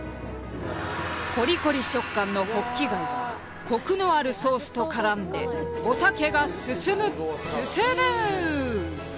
コリコリ食感のホッキ貝がコクのあるソースと絡んでお酒が進む進む！